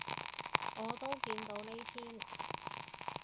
我都見到呢篇